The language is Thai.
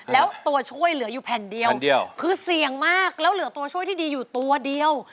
แล้วตัวช่วยเหลืออยู่แผ่นเดียวแผ่นเดียวคือเสี่ยงมากแล้วเหลือตัวช่วยที่ดีอยู่ตัวเดียว